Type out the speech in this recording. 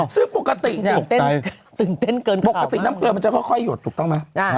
ซึ่งปกติน้ำเกลือมันจะค่อยหยดถูกต้องไหม